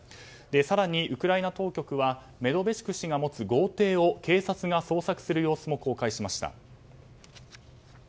更にウクライナ当局はメドベチュク氏が持つ豪邸を警察が捜索する様子も公開しました。